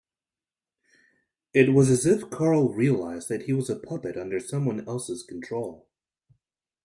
It was as if Carl realised that he was a puppet under someone else's control.